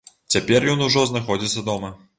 Цяпер ён ужо знаходзіцца дома.